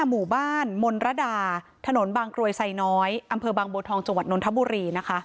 หมู่บ้านมนรดาถนนบางกรวยไซน้อยอำเภอบางบัวทองจังหวัดนนทบุรีนะคะ